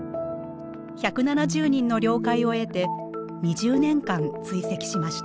１７０人の了解を得て２０年間追跡しました。